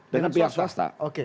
dengan pihak swasta